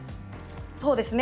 そうですね。